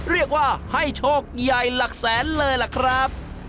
เรียกว่าให้โชคใหญ่หลักแสนเลยล่ะครับ